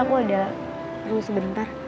aku ada urus sebentar